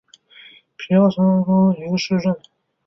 皮奥伊州茹阿泽鲁是巴西皮奥伊州的一个市镇。